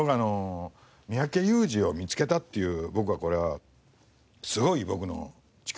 三宅裕司を見つけたっていう僕はこれはすごい僕の力ですよ。